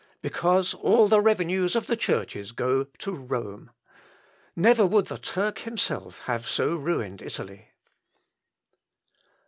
Because all the revenues of the churches go to Rome. Never would the Turk himself have so ruined Italy."